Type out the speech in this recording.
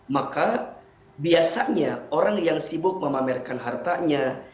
maka biasanya orang yang sibuk memamerkan hartanya